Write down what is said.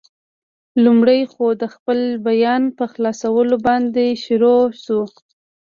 لومړی خو، د خپل بیان په خلاصولو باندې شروع شو.